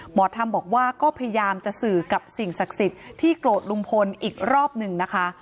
หมอธรรมบอกว่าก็พยายามจะสื่อกับสิ่งศักดิ์สิทธิ์ที่โกรธลุงพลอีกรอบหนึ่งนะคะ